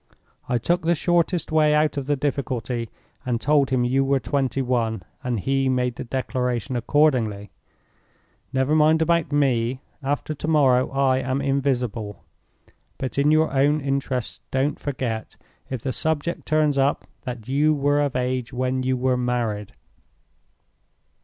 I took the shortest way out of the difficulty, and told him you were twenty one, and he made the declaration accordingly. Never mind about me; after to morrow I am invisible. But, in your own interests, don't forget, if the subject turns up, that you were of age when you were married.